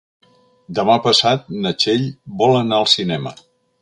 Demà passat na Txell vol anar al cinema.